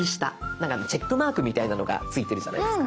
なんかチェックマークみたいなのがついてるじゃないですか。